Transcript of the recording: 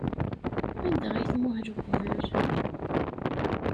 Anda ay tmuhel uqbel?